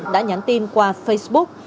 đã nhắn tin qua facebook